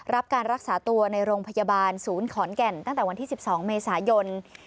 รับการรักษาตัวในโรงพยาบาลศูนย์ขอนแก่นตั้งแต่วันที่๑๒เมษายน